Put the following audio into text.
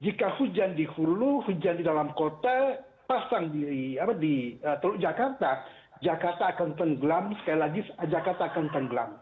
jika hujan di hulu hujan di dalam kota pasang di teluk jakarta jakarta akan tenggelam sekali lagi jakarta akan tenggelam